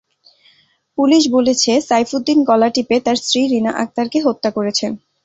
Police বলেছে, সাইফুদ্দিন গলা টিপে তাঁর স্ত্রী রিনা আক্তারকে হত্যা করেছেন।